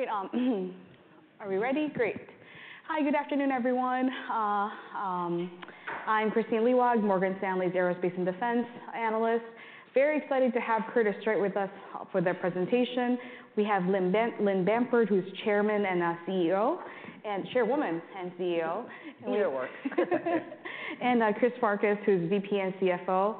Great! Are we ready? Great. Hi, good afternoon, everyone. I'm Kristine Liwag, Morgan Stanley's Aerospace and Defense analyst. Very excited to have Curtiss-Wright with us for their presentation. We have Lynn Bamford, who's Chairman and CEO, and Chairwoman and CEO. Either works. And, Chris Farkas, who's VP and CFO.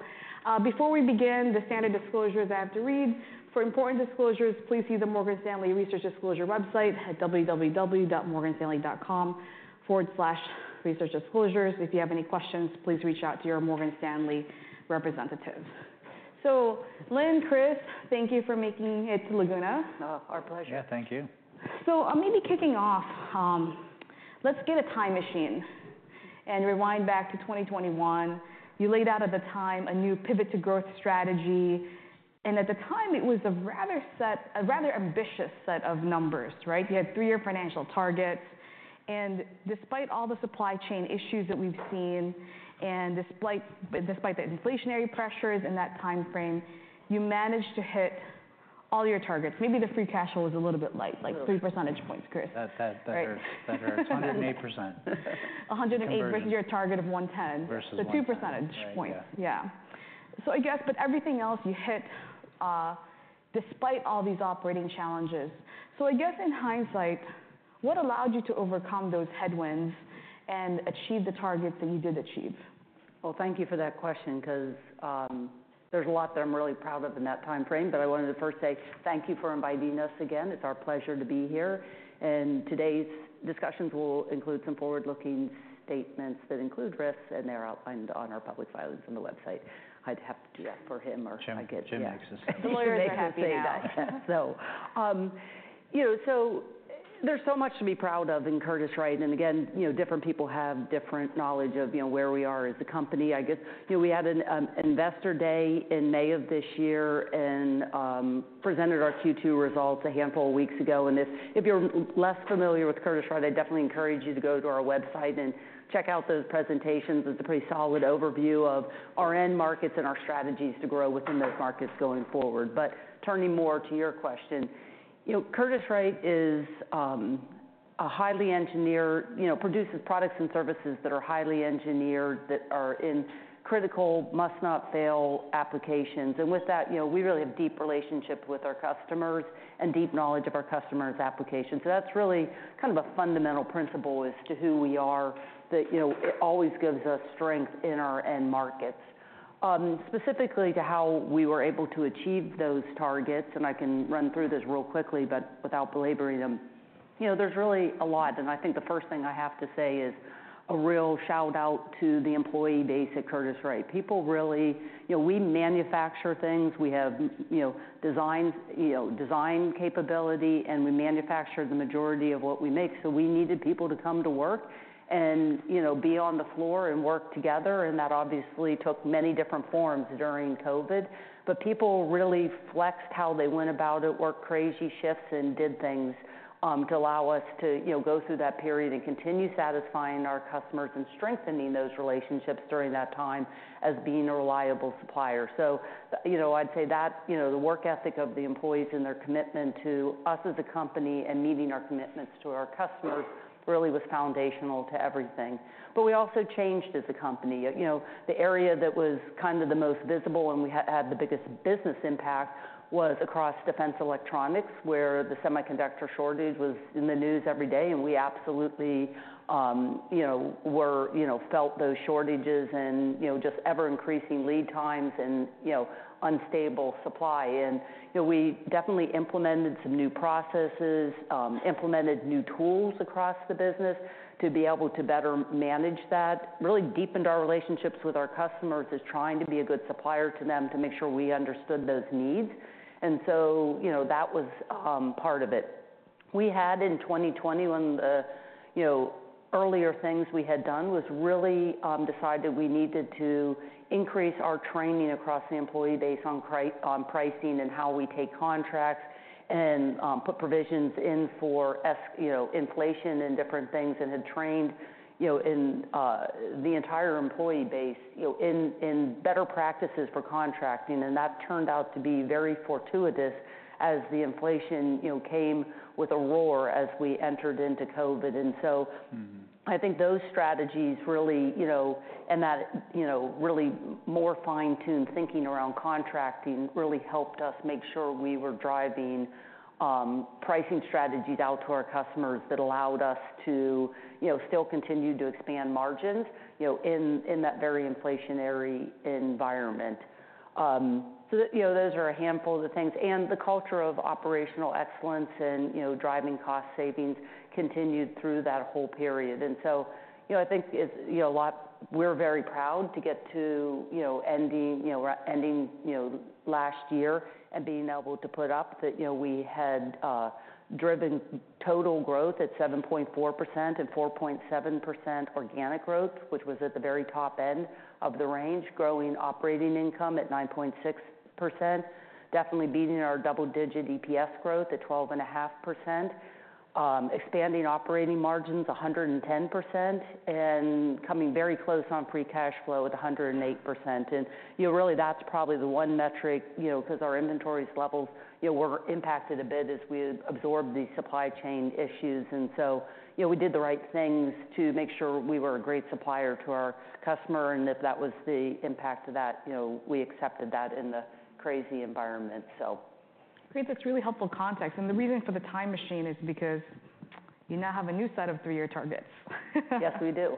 Before we begin, the standard disclosures I have to read. For important disclosures, please see the Morgan Stanley Research Disclosure website at www.morganstanley.com/researchdisclosures. If you have any questions, please reach out to your Morgan Stanley representative. So Lynn, Chris, thank you for making it to Laguna. Oh, our pleasure. Yeah, thank you. So, maybe kicking off, let's get a time machine and rewind back to 2021. You laid out at the time a new Pivot to Growth strategy, and at the time it was a rather set, a rather ambitious set of numbers, right? You had three-year financial targets, and despite all the supply chain issues that we've seen, and despite the inflationary pressures in that timeframe, you managed to hit all your targets. Maybe the free cash flow was a little bit light, like three percentage points, Chris. That hurt. That hurt. 108% conversion versus your target of 110. Versus 110. So two percentage points. Yeah. Yeah. So I guess, but everything else you hit, despite all these operating challenges. So I guess in hindsight, what allowed you to overcome those headwinds and achieve the targets that you did achieve? Thank you for that question because there's a lot that I'm really proud of in that timeframe, but I wanted to first say thank you for inviting us again. It's our pleasure to be here, and today's discussions will include some forward-looking statements that include risks, and they're outlined on our public filings on the website. I'd have to do that for him, or I get- Jim, Jim makes us. The lawyers are happy now. So, you know, so there's so much to be proud of in Curtiss-Wright, and again, you know, different people have different knowledge of, you know, where we are as a company. I guess, you know, we had an Investor Day in May of this year and presented our Q2 results a handful of weeks ago. And if you're less familiar with Curtiss-Wright, I definitely encourage you to go to our website and check out those presentations. It's a pretty solid overview of our end markets and our strategies to grow within those markets going forward. But turning more to your question, you know, Curtiss-Wright is a highly engineered. You know, produces products and services that are highly engineered, that are in critical, must-not-fail applications. And with that, you know, we really have deep relationships with our customers and deep knowledge of our customers' applications. That's really kind of a fundamental principle as to who we are, that, you know, it always gives us strength in our end markets. Specifically to how we were able to achieve those targets, and I can run through this real quickly, but without belaboring them. You know, there's really a lot, and I think the first thing I have to say is a real shout-out to the employee base at Curtiss-Wright. People really... You know, we manufacture things. We have, you know, design, you know, design capability, and we manufacture the majority of what we make, so we needed people to come to work and, you know, be on the floor and work together, and that obviously took many different forms during COVID. But people really flexed how they went about it, worked crazy shifts, and did things to allow us to, you know, go through that period and continue satisfying our customers and strengthening those relationships during that time as being a reliable supplier. So, you know, I'd say that, you know, the work ethic of the employees and their commitment to us as a company and meeting our commitments to our customers really was foundational to everything. But we also changed as a company. You know, the area that was kind of the most visible and we had the biggest business impact was across Defense Electronics, where the semiconductor shortage was in the news every day, and we absolutely, you know, were, you know, felt those shortages and, you know, just ever-increasing lead times and, you know, unstable supply. And, you know, we definitely implemented some new processes, implemented new tools across the business to be able to better manage that. Really deepened our relationships with our customers as trying to be a good supplier to them, to make sure we understood those needs, and so, you know, that was part of it. We had in twenty twenty-one, you know, the earlier things we had done was really decide that we needed to increase our training across the employee base on pricing and how we take contracts and put provisions in for inflation and different things, and had trained, you know, in the entire employee base, you know, in better practices for contracting. And that turned out to be very fortuitous as the inflation, you know, came with a roar as we entered into COVID. And so- Mm-hmm. I think those strategies really, you know, and that, you know, really more fine-tuned thinking around contracting really helped us make sure we were driving, pricing strategies out to our customers that allowed us to, you know, still continue to expand margins, you know, in, in that very inflationary environment, so that, you know, those are a handful of the things, and the culture of operational excellence and, you know, driving cost savings continued through that whole period, and so, you know, I think it's, you know, a lot... We're very proud to get to end, you know, last year and being able to put up that, you know, we had driven total growth at 7.4% and 4.7% organic growth, which was at the very top end of the range, growing operating income at 9.6%, definitely beating our double-digit EPS growth at 12.5%, expanding operating margins 110%, and coming very close on free cash flow at 108%, and you know, really, that's probably the one metric, you know, because our inventory levels, you know, were impacted a bit as we absorbed the supply chain issues. And so, you know, we did the right things to make sure we were a great supplier to our customer, and if that was the impact of that, you know, we accepted that in the crazy environment, so.... Great, that's really helpful context. And the reason for the time machine is because you now have a new set of three-year targets. Yes, we do.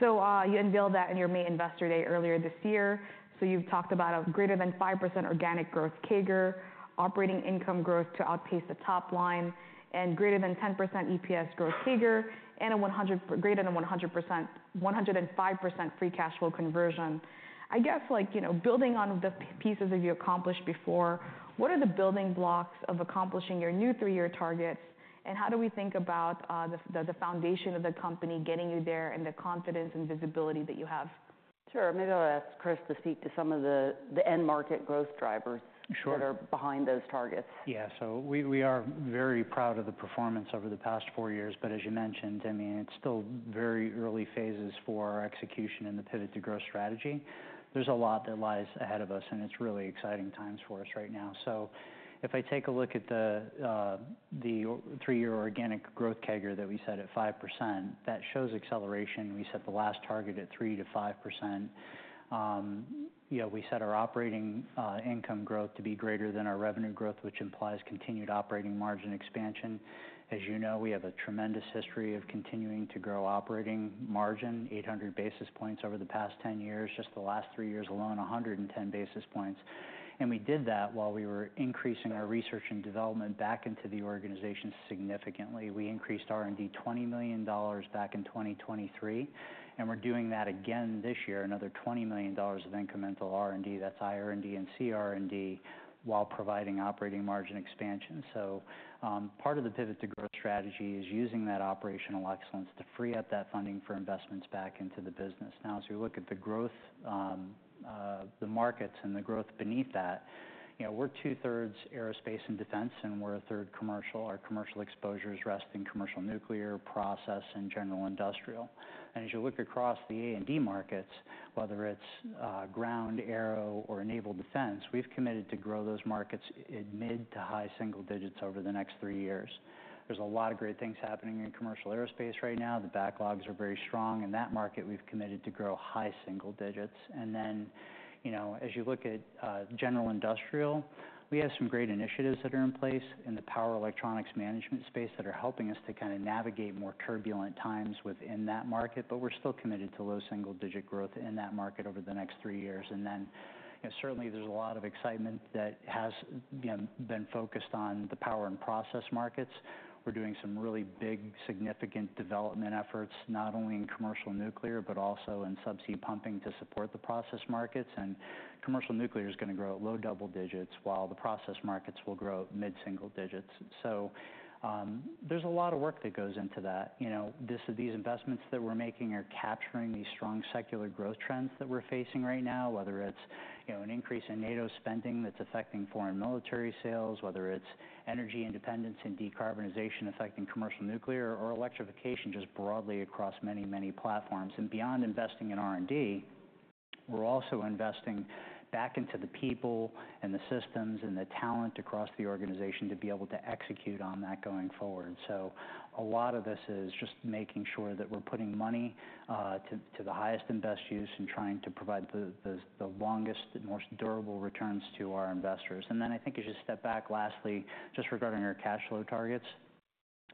So, you unveiled that in your main investor day earlier this year. So you've talked about a greater than 5% organic growth CAGR, operating income growth to outpace the top line, and greater than 10% EPS growth CAGR, and a greater than 100%-105% free cash flow conversion. I guess, like, you know, building on the pieces that you accomplished before, what are the building blocks of accomplishing your new three-year targets, and how do we think about the foundation of the company getting you there, and the confidence and visibility that you have? Sure. Maybe I'll ask Chris to speak to some of the end market growth drivers- Sure. that are behind those targets. Yeah, so we are very proud of the performance over the past four years, but as you mentioned, I mean, it's still very early phases for our execution and the Pivot to Growth strategy. There's a lot that lies ahead of us, and it's really exciting times for us right now. So if I take a look at the three-year organic growth CAGR that we set at 5%, that shows acceleration. We set the last target at 3%-5%. You know, we set our operating income growth to be greater than our revenue growth, which implies continued operating margin expansion. As you know, we have a tremendous history of continuing to grow operating margin, 800 basis points over the past 10 years. Just the last three years alone, 110 basis points. We did that while we were increasing our research and development back into the organization significantly. We increased R&D $20 million back in 2023, and we're doing that again this year, another $20 million of incremental R&D. That's IR&D and CR&D, while providing operating margin expansion. Part of the Pivot to Growth strategy is using that operational excellence to free up that funding for investments back into the business. Now, as we look at the growth, the markets and the growth beneath that, you know, we're two-thirds aerospace and defense, and we're a third commercial. Our commercial exposure rests in commercial nuclear, process, and general industrial. As you look across the A&D markets, whether it's ground, air, or naval defense, we've committed to grow those markets in mid- to high-single digits over the next three years. There's a lot of great things happening in commercial aerospace right now. The backlogs are very strong. In that market, we've committed to grow high single digits. And then, you know, as you look at general industrial, we have some great initiatives that are in place in the power electronics management space that are helping us to kind of navigate more turbulent times within that market, but we're still committed to low single digit growth in that market over the next three years. And then, certainly there's a lot of excitement that has, you know, been focused on the power and process markets. We're doing some really big, significant development efforts, not only in commercial nuclear, but also in subsea pumping to support the process markets. And commercial nuclear is gonna grow at low double digits, while the process markets will grow at mid-single digits. There's a lot of work that goes into that. You know, these investments that we're making are capturing these strong secular growth trends that we're facing right now, whether it's, you know, an increase in NATO spending that's affecting foreign military sales, whether it's energy independence and decarbonization affecting commercial nuclear, or electrification just broadly across many, many platforms. And beyond investing in R&D, we're also investing back into the people and the systems, and the talent across the organization to be able to execute on that going forward. A lot of this is just making sure that we're putting money to the highest and best use, and trying to provide the longest and most durable returns to our investors. Then I think you should step back, lastly, just regarding our cash flow targets.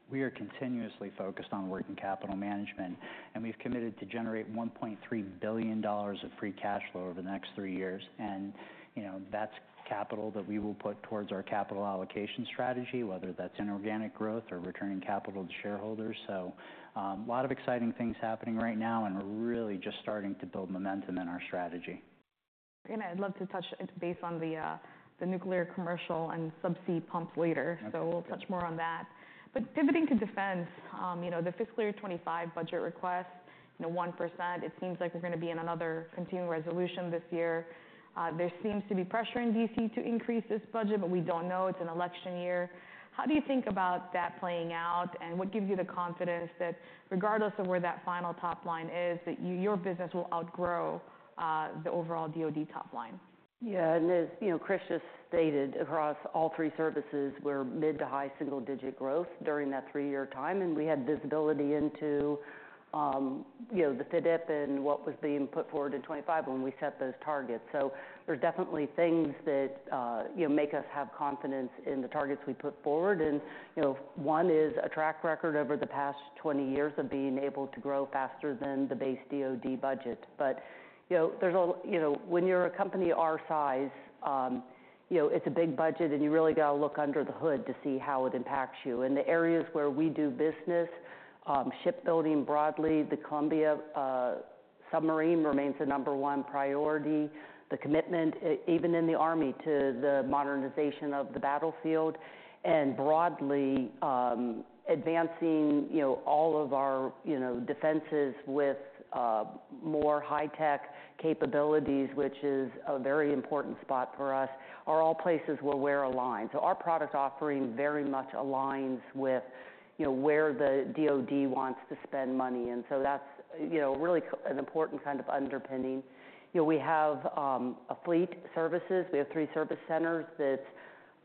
We are continuously focused on working capital management, and we've committed to generate $1.3 billion of free cash flow over the next three years, and you know, that's capital that we will put towards our capital allocation strategy, whether that's in organic growth or returning capital to shareholders, so a lot of exciting things happening right now, and we're really just starting to build momentum in our strategy. I’d love to touch base on the nuclear, commercial, and subsea pumps later. Okay. So we'll touch more on that. But pivoting to defense, you know, the fiscal year 2025 budget request, you know, 1%, it seems like we're gonna be in another Continuing Resolution this year. There seems to be pressure in D.C. to increase this budget, but we don't know. It's an election year. How do you think about that playing out, and what gives you the confidence that regardless of where that final top line is, that you- your business will outgrow the overall DoD top line? Yeah, and as you know, Chris just stated, across all three services, we're mid- to high-single-digit growth during that three-year time, and we had visibility into, you know, the FYDP and what was being put forward in 2025 when we set those targets. So there are definitely things that, you know, make us have confidence in the targets we put forward. And, you know, one is a track record over the past 20 years of being able to grow faster than the base DoD budget. But, you know, there's a. You know, when you're a company our size, you know, it's a big budget, and you really got to look under the hood to see how it impacts you. In the areas where we do business, shipbuilding broadly, the Columbia submarine remains the number one priority. The commitment, even in the army, to the modernization of the battlefield, and broadly, advancing, you know, all of our, you know, defenses with more high-tech capabilities, which is a very important spot for us, are all places where we're aligned. So our product offering very much aligns with, you know, where the DoD wants to spend money, and so that's, you know, really an important kind of underpinning. You know, we have a fleet services. We have three service centers that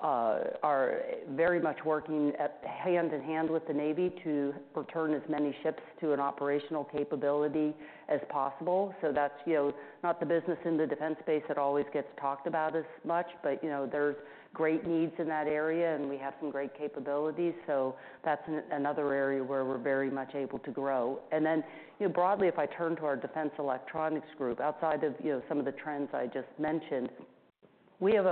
are very much working at hand-in-hand with the Navy to return as many ships to an operational capability as possible. So that's, you know, not the business in the defense space that always gets talked about as much, but, you know, there's great needs in that area, and we have some great capabilities. That's another area where we're very much able to grow. And then, you know, broadly, if I turn to our Defense Electronics group, outside of, you know, some of the trends I just mentioned, we have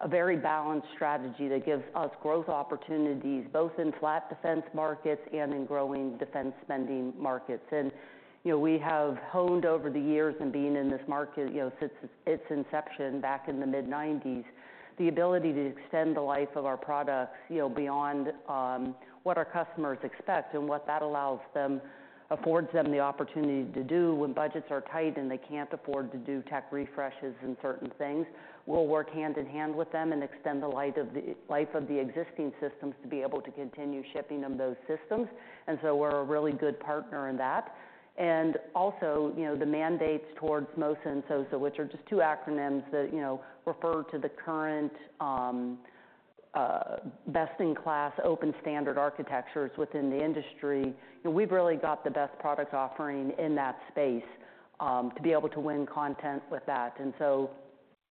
a very balanced strategy that gives us growth opportunities, both in flat defense markets and in growing defense spending markets. And, you know, we have honed over the years and being in this market, you know, since its inception back in the mid-1990s, the ability to extend the life of our products, you know, beyond what our customers expect and what that affords them the opportunity to do when budgets are tight, and they can't afford to do tech refreshes and certain things. We'll work hand in hand with them and extend the life of the existing systems to be able to continue shipping them those systems. And so we're a really good partner in that. And also, you know, the mandates towards MOSA and SOSA, which are just two acronyms that, you know, refer to the current, best-in-class, open-standard architectures within the industry. You know, we've really got the best product offering in that space, to be able to win content with that. And so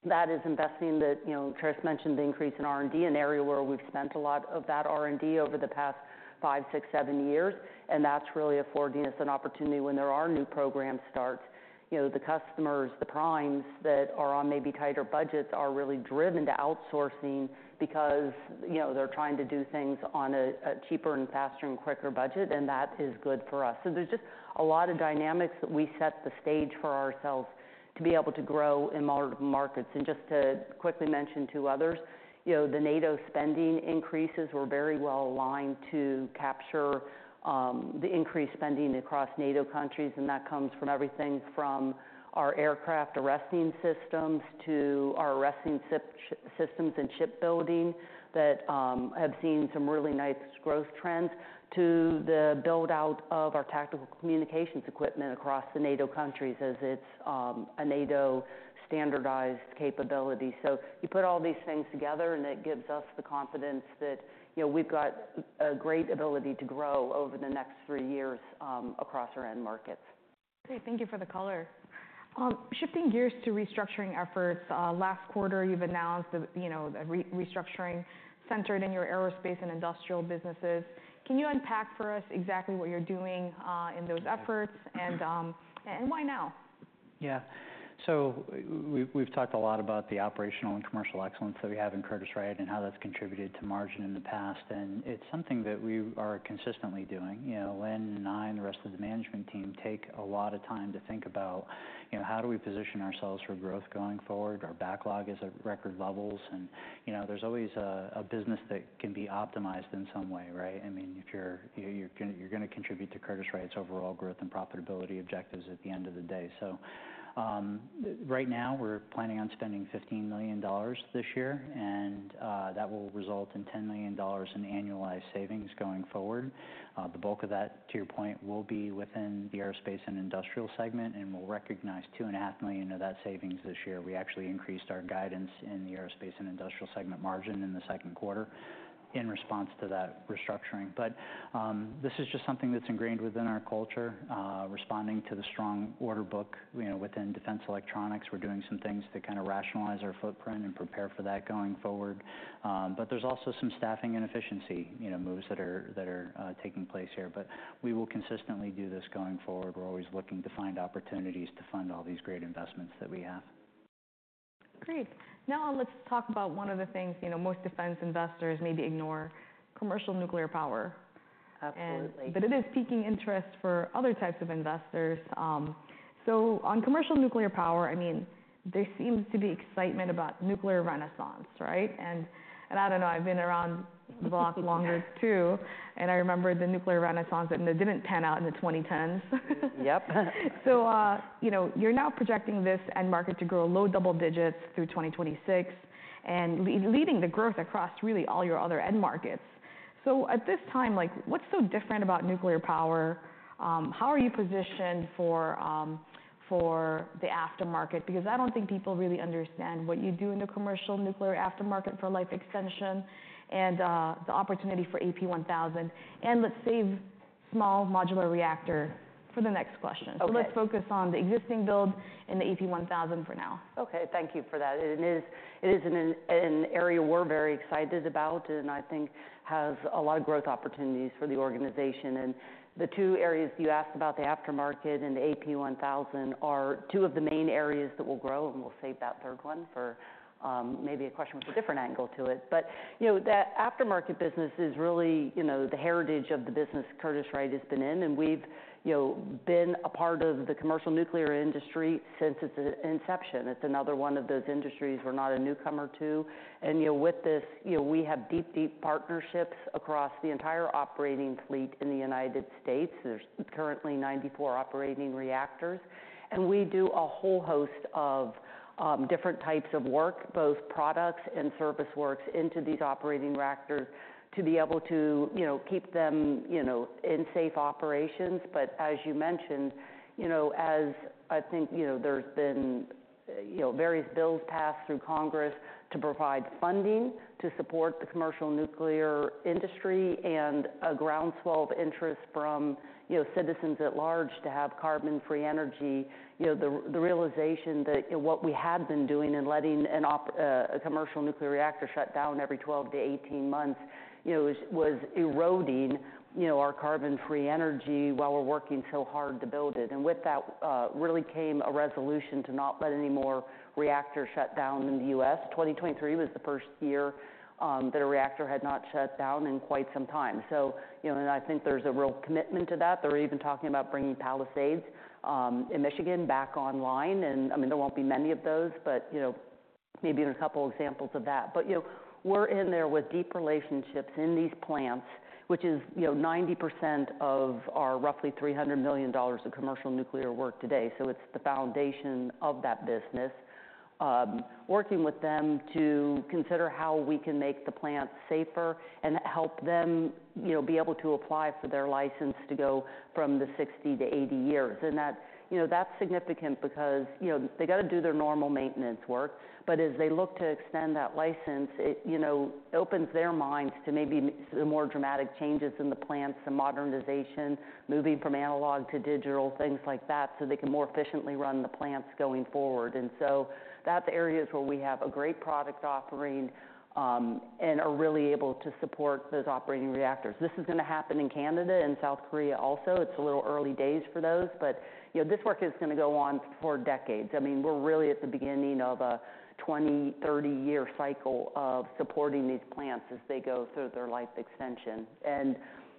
that is investing that, you know, Chris mentioned the increase in R&D, an area where we've spent a lot of that R&D over the past five, six, seven years, and that's really affording us an opportunity when there are new program starts. You know, the customers, the primes that are on maybe tighter budgets, are really driven to outsourcing because, you know, they're trying to do things on a, a cheaper and faster and quicker budget, and that is good for us. So there's just a lot of dynamics that we set the stage for ourselves to be able to grow in markets. And just to quickly mention two others, you know, the NATO spending increases, we're very well aligned to capture the increased spending across NATO countries, and that comes from everything from our aircraft arresting systems to our arresting systems and shipbuilding that have seen some really nice growth trends, to the build-out of our tactical communications equipment across the NATO countries, as it's a NATO standardized capability. So you put all these things together, and it gives us the confidence that, you know, we've got a great ability to grow over the next three years across our end markets. Okay, thank you for the color. Shifting gears to restructuring efforts. Last quarter, you've announced the, you know, the restructuring centered in your Aerospace and Industrial businesses. Can you unpack for us exactly what you're doing in those efforts, and why now? Yeah. So we've talked a lot about the operational and commercial excellence that we have in Curtiss-Wright, and how that's contributed to margin in the past, and it's something that we are consistently doing. You know, Lynn and I and the rest of the management team take a lot of time to think about, you know, how do we position ourselves for growth going forward? Our backlog is at record levels, and, you know, there's always a business that can be optimized in some way, right? I mean, if you're, you know, you're gonna contribute to Curtiss-Wright's overall growth and profitability objectives at the end of the day. So, right now, we're planning on spending $15 million this year, and that will result in $10 million in annualized savings going forward. The bulk of that, to your point, will be within the Aerospace and Industrial segment, and we'll recognize $2.5 million of that savings this year. We actually increased our guidance in the Aerospace and Industrial segment margin in the second quarter in response to that restructuring. But this is just something that's ingrained within our culture, responding to the strong order book. You know, within Defense Electronics, we're doing some things to kind of rationalize our footprint and prepare for that going forward. But there's also some staffing and efficiency, you know, moves that are taking place here. But we will consistently do this going forward. We're always looking to find opportunities to fund all these great investments that we have. Great. Now let's talk about one of the things, you know, most defense investors maybe ignore: commercial nuclear power. Absolutely. But it is piquing interest for other types of investors. So on commercial nuclear power, I mean, there seems to be excitement about nuclear renaissance, right? And I don't know, I've been around the block longer too, and I remember the nuclear renaissance, and it didn't pan out in the twenty tens. Yep. So, you know, you're now projecting this end market to grow low double digits through 2026 and leading the growth across really all your other end markets. So at this time, like, what's so different about nuclear power? How are you positioned for the aftermarket? Because I don't think people really understand what you do in the commercial nuclear aftermarket for life extension and the opportunity for AP1000. And let's save small modular reactor for the next question. Okay. Let's focus on the existing build and the AP1000 for now. Okay, thank you for that. It is an area we're very excited about and I think has a lot of growth opportunities for the organization. The two areas you asked about, the aftermarket and the AP1000, are two of the main areas that will grow, and we'll save that third one for maybe a question with a different angle to it. But, you know, that aftermarket business is really, you know, the heritage of the business Curtiss-Wright has been in, and we've, you know, been a part of the commercial nuclear industry since its inception. It's another one of those industries we're not a newcomer to. And, you know, with this, you know, we have deep, deep partnerships across the entire operating fleet in the United States. There's currently 94 operating reactors, and we do a whole host of different types of work, both products and service works, into these operating reactors to be able to, you know, keep them, you know, in safe operations. But as you mentioned, you know, as I think, you know, there's been you know, various bills passed through Congress to provide funding to support the commercial nuclear industry and a groundswell of interest from, you know, citizens at large to have carbon-free energy. You know, the, the realization that, what we had been doing in letting a commercial nuclear reactor shut down every 12 to 18 months, you know, is, was eroding, you know, our carbon-free energy while we're working so hard to build it. And with that, really came a resolution to not let any more reactors shut down in the US. 2023 was the first year that a reactor had not shut down in quite some time. So, you know, and I think there's a real commitment to that. They're even talking about bringing Palisades in Michigan back online, and, I mean, there won't be many of those, but, you know, maybe there are a couple examples of that. But, you know, we're in there with deep relationships in these plants, which is, you know, 90% of our roughly $300 million of commercial nuclear work today, so it's the foundation of that business. Working with them to consider how we can make the plants safer and help them, you know, be able to apply for their license to go from the 60 to 80 years. And that, you know, that's significant because, you know, they've got to do their normal maintenance work, but as they look to extend that license, it, you know, opens their minds to maybe more dramatic changes in the plants and modernization, moving from analog to digital, things like that, so they can more efficiently run the plants going forward. And so that's areas where we have a great product offering, and are really able to support those operating reactors. This is going to happen in Canada and South Korea also. It's a little early days for those, but, you know, this work is going to go on for decades. I mean, we're really at the beginning of a 20-30-year cycle of supporting these plants as they go through their life extension. And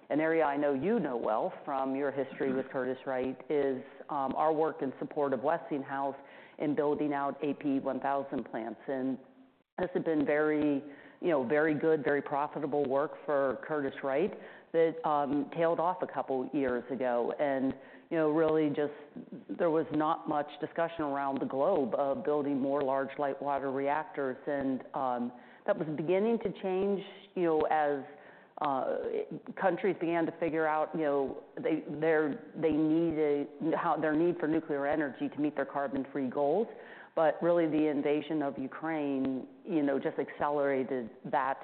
an area I know you know well from your history with Curtiss-Wright is our work in support of Westinghouse in building out AP1000 plants. And this had been very, you know, very good, very profitable work for Curtiss-Wright that tailed off a couple years ago. And, you know, really just there was not much discussion around the globe of building more large light water reactors, and that was beginning to change, you know, as countries began to figure out, you know, how their need for nuclear energy to meet their carbon-free goals. But really, the invasion of Ukraine, you know, just accelerated that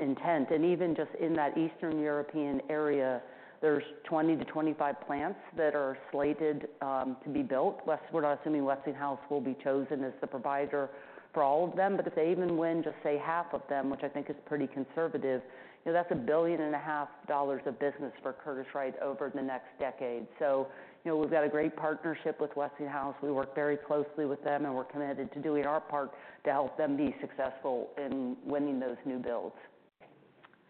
intent. And even just in that Eastern European area, there's 20 to 25 plants that are slated to be built. We're not assuming Westinghouse will be chosen as the provider for all of them, but if they even win, just say, half of them, which I think is pretty conservative, you know, that's $1.5 billion of business for Curtiss-Wright over the next decade. So you know, we've got a great partnership with Westinghouse. We work very closely with them, and we're committed to doing our part to help them be successful in winning those new builds.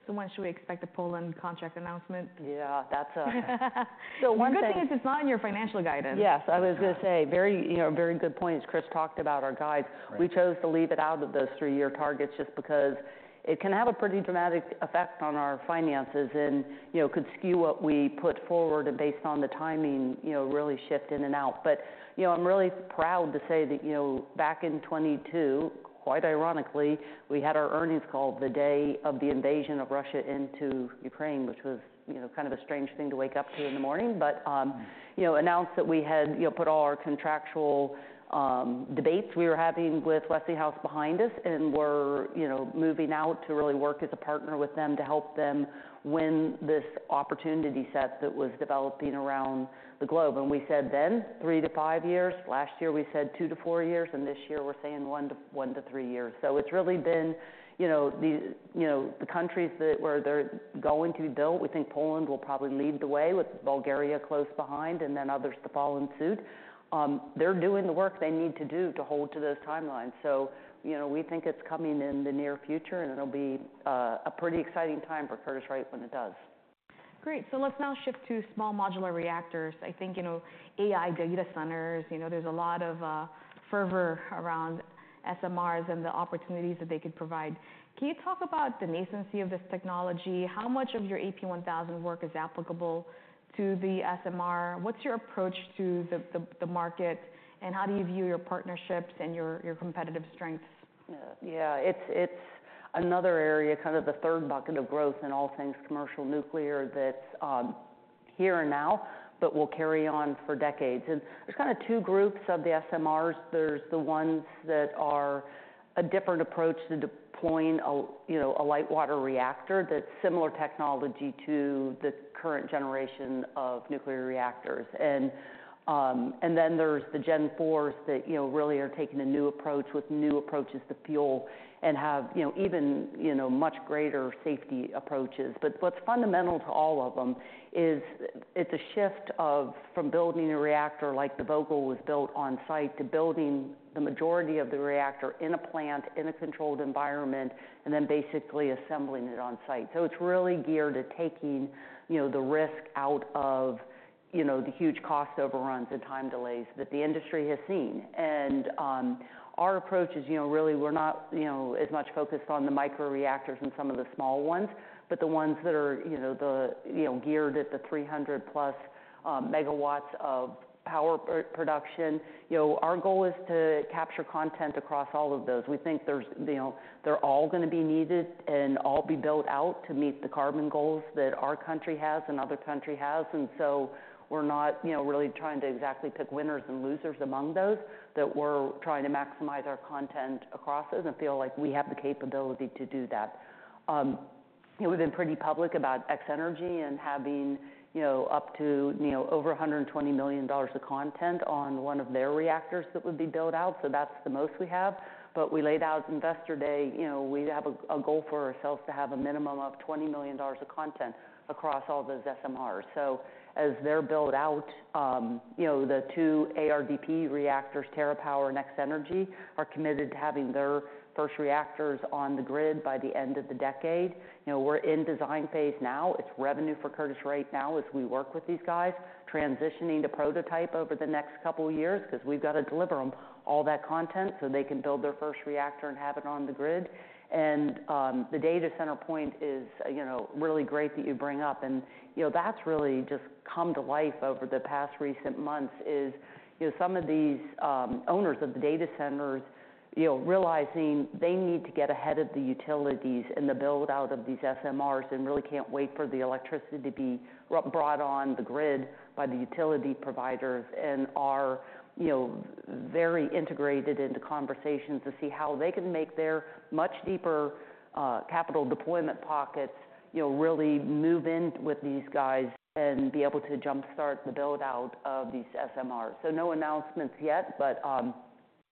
When should we expect a Poland contract announcement? Yeah, that's a- One thing is, it's not in your financial guidance. Yes, I was going to say very, you know, very good point, as Chris talked about our guides. Right. We chose to leave it out of those three-year targets just because it can have a pretty dramatic effect on our finances and, you know, could skew what we put forward and based on the timing, you know, really shift in and out. But, you know, I'm really proud to say that, you know, back in twenty twenty-two, quite ironically, we had our earnings call the day of the invasion of Russia into Ukraine, which was, you know, kind of a strange thing to wake up to in the morning. But, you know, announced that we had, you know, put all our contractual debates we were having with Westinghouse behind us, and we're, you know, moving out to really work as a partner with them to help them win this opportunity set that was developing around the globe. And we said then, three to five years. Last year, we said two to four years, and this year we're saying one to three years. So it's really been, you know, the countries that where they're going to build, we think Poland will probably lead the way, with Bulgaria close behind, and then others to follow in suit. They're doing the work they need to do to hold to those timelines. So, you know, we think it's coming in the near future, and it'll be a pretty exciting time for Curtiss-Wright when it does. Great. So let's now shift to small modular reactors. I think, you know, AI data centers, you know, there's a lot of fervor around SMRs and the opportunities that they could provide. Can you talk about the nascency of this technology? How much of your AP1000 work is applicable to the SMR? What's your approach to the market, and how do you view your partnerships and your competitive strengths? Yeah, it's another area, kind of the third bucket of growth in all things commercial nuclear, that's here and now, but will carry on for decades. And there's kind of two groups of the SMRs. There's the ones that are a different approach to deploying a, you know, a light water reactor that's similar technology to the current generation of nuclear reactors. And then there's the Gen IVs that, you know, really are taking a new approach with new approaches to fuel and have, you know, even, you know, much greater safety approaches. But what's fundamental to all of them is it's a shift from building a reactor, like the Vogtle was built on site, to building the majority of the reactor in a plant, in a controlled environment, and then basically assembling it on site. It's really geared to taking, you know, the risk out of, you know, the huge cost overruns and time delays that the industry has seen, and our approach is, you know, really we're not, you know, as much focused on the microreactors and some of the small ones, but the ones that are, you know, the, you know, geared at the 300-plus megawatts of power production. You know, our goal is to capture content across all of those. We think there's, you know, they're all going to be needed and all be built out to meet the carbon goals that our country has and other country has, and so we're not, you know, really trying to exactly pick winners and losers among those, that we're trying to maximize our content across those and feel like we have the capability to do that. We've been pretty public about X-energy and having, you know, up to, you know, over $120 million of content on one of their reactors that would be built out. So that's the most we have. But we laid out investor day, you know, we have a goal for ourselves to have a minimum of $20 million of content across all those SMRs. So as they're built out, you know, the two ARDP reactors, TerraPower, X-energy, are committed to having their first reactors on the grid by the end of the decade. You know, we're in design phase now. It's revenue for Curtiss-Wright now, as we work with these guys, transitioning to prototype over the next couple of years, 'cause we've got to deliver them all that content so they can build their first reactor and have it on the grid. The data center point is, you know, really great that you bring up. You know, that's really just come to life over the past recent months, is, you know, some of these owners of the data centers, you know, realizing they need to get ahead of the utilities and the build-out of these SMRs, and really can't wait for the electricity to be brought on the grid by the utility providers. Are, you know, very integrated into conversations to see how they can make their much deeper capital deployment pockets, you know, really move in with these guys and be able to jumpstart the build-out of these SMRs. No announcements yet, but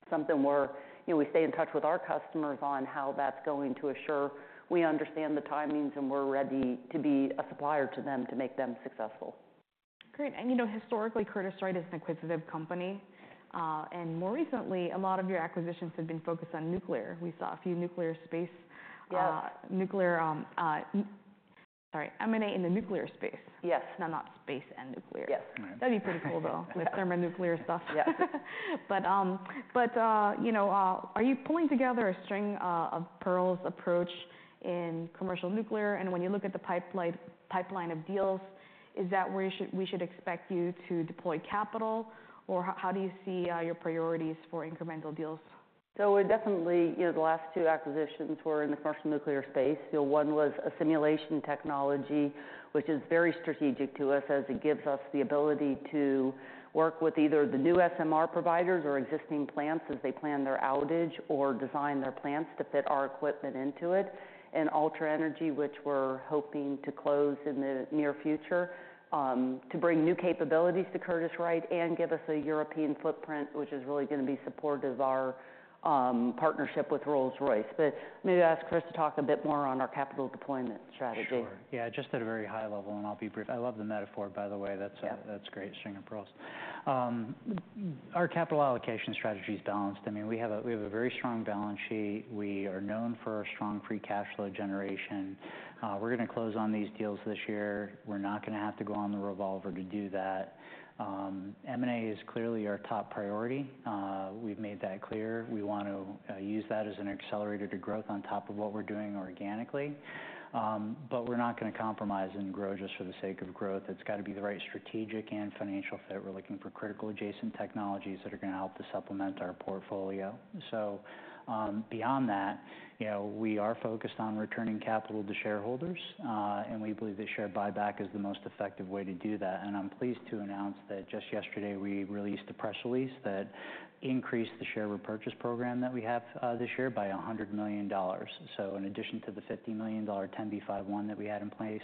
something we're, you know, we stay in touch with our customers on how that's going to assure we understand the timings, and we're ready to be a supplier to them to make them successful. Great. And, you know, historically, Curtiss-Wright is an acquisitive company. And more recently, a lot of your acquisitions have been focused on nuclear. We saw a few nuclear space- Yeah. Nuclear M&A in the nuclear space. Yes. No, not space and nuclear. Yes. That'd be pretty cool, though. Yes. The thermonuclear stuff. Yes. But, you know, are you pulling together a string of pearls approach in commercial nuclear? And when you look at the pipeline of deals, is that where we should expect you to deploy capital? Or how do you see your priorities for incremental deals? So we're definitely... You know, the last two acquisitions were in the commercial nuclear space. You know, one was a simulation technology, which is very strategic to us as it gives us the ability to work with either the new SMR providers or existing plants as they plan their outage or design their plants to fit our equipment into it. And Ultra Energy, which we're hoping to close in the near future, to bring new capabilities to Curtiss-Wright and give us a European footprint, which is really gonna be supportive of our, partnership with Rolls-Royce. But maybe ask Chris to talk a bit more on our capital deployment strategy. Sure. Yeah, just at a very high level, and I'll be brief. I love the metaphor, by the way. Yeah. That's, that's great, string of pearls. Our capital allocation strategy is balanced. I mean, we have a very strong balance sheet. We are known for our strong free cash flow generation. We're gonna close on these deals this year. We're not gonna have to go on the revolver to do that. M&A is clearly our top priority. We've made that clear. We want to use that as an accelerator to growth on top of what we're doing organically. But we're not gonna compromise and grow just for the sake of growth. It's got to be the right strategic and financial fit. We're looking for critical adjacent technologies that are gonna help to supplement our portfolio. So, beyond that, you know, we are focused on returning capital to shareholders, and we believe the share buyback is the most effective way to do that. And I'm pleased to announce that just yesterday, we released a press release that increased the share repurchase program that we have, this year by $100 million. So in addition to the $50 million 10b5-1 that we had in place,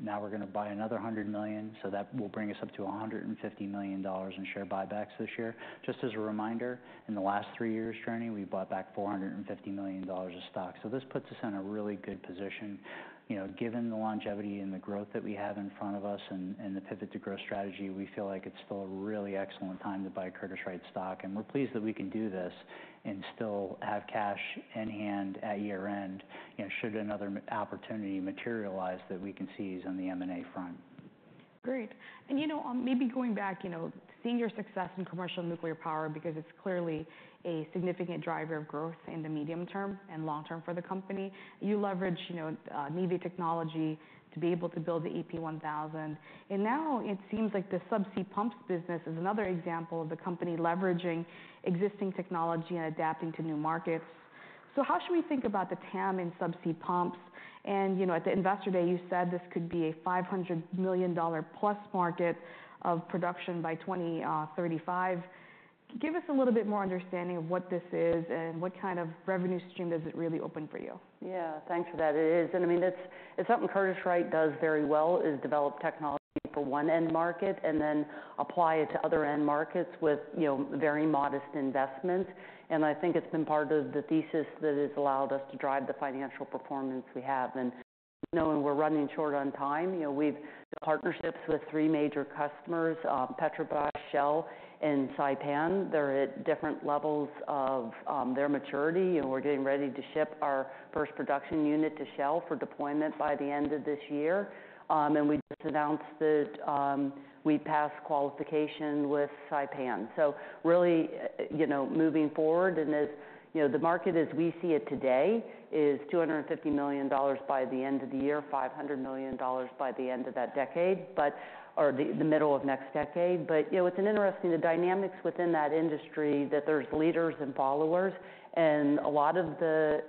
now we're gonna buy another $100 million, so that will bring us up to $150 million in share buybacks this year. Just as a reminder, in the last three years, Jenny, we bought back $450 million of stock. So this puts us in a really good position. You know, given the longevity and the growth that we have in front of us and, and the Pivot to Growth strategy, we feel like it's still a really excellent time to buy Curtiss-Wright stock. And we're pleased that we can do this and still have cash in hand at year-end, you know, should another M&A opportunity materialize that we can seize on the M&A front. Great. And, you know, maybe going back, you know, seeing your success in commercial nuclear power, because it's clearly a significant driver of growth in the medium term and long term for the company. You leverage, you know, navy technology to be able to build the AP1000, and now it seems like the subsea pumps business is another example of the company leveraging existing technology and adapting to new markets. So how should we think about the TAM in subsea pumps? And, you know, at the Investor Day, you said this could be a $500 million-plus market of production by 2035. Give us a little bit more understanding of what this is and what kind of revenue stream does it really open for you? Yeah, thanks for that. It is, and I mean, it's, it's something Curtiss-Wright does very well, is develop technology for one end market and then apply it to other end markets with, you know, very modest investments. And I think it's been part of the thesis that has allowed us to drive the financial performance we have. And knowing we're running short on time, you know, we've partnerships with three major customers, Petrobras, Shell, and Saipem. They're at different levels of their maturity, and we're getting ready to ship our first production unit to Shell for deployment by the end of this year. And we just announced that we passed qualification with Saipem. So really, you know, moving forward, and as, you know, the market, as we see it today, is $250 million by the end of the year, $500 million by the end of that decade, but, or the, the middle of next decade. But, you know, it's an interesting, the dynamics within that industry, that there's leaders and followers, and a lot of the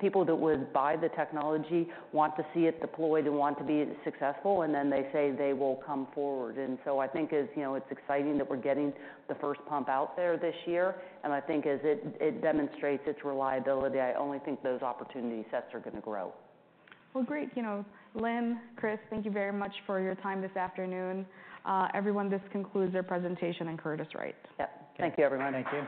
people that would buy the technology want to see it deployed and want to be successful, and then they say they will come forward. And so I think it's, you know, it's exciting that we're getting the first pump out there this year, and I think as it, it demonstrates its reliability, I only think those opportunity sets are gonna grow. Great. You know, Lynn, Chris, thank you very much for your time this afternoon. Everyone, this concludes their presentation in Curtiss-Wright. Yep. Thank you, everyone. Thank you.